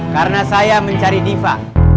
karena saya mencari diva